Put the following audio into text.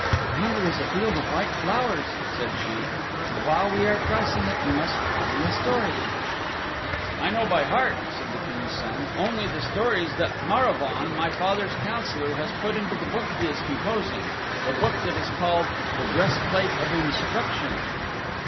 "Yonder is a field of white flowers," said she, "and while we are crossing it you must tell me a story." "I know by heart," said the King's Son, "only the stories that Maravaun, my father's Councillor, has put into the book he is composing the book that is called 'The Breastplate of Instruction.